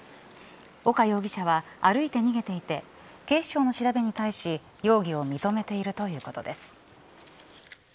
岡容疑者は歩いて逃げていて警視庁の調べに対し容疑を認めているということです。